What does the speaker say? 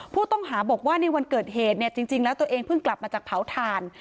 ผู้ต้องหาบอกว่าในวันเกิดเหตุเนี่ยจริงแล้วตัวเองเพิ่งกลับมาจากเผาถ่าน